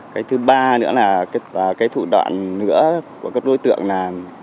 cái thứ ba nữa là thủ đoạn của các đối tượng là